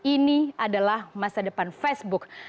ini adalah masa depan facebook